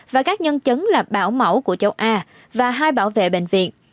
và các nhân chứng là bảo mẫu của châu a và hai bảo vệ bệnh viện